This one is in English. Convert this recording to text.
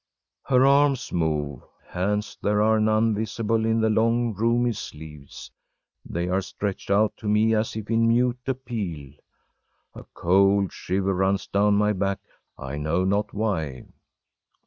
‚ÄĚ Her arms move hands there are none visible in the long, roomy sleeves they are stretched out to me as if in mute appeal. A cold shiver runs down my back, I know not why.